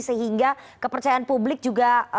sehingga kepercayaan publik juga